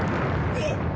えっ！？